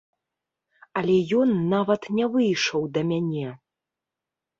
Але ён нават не выйшаў да мяне.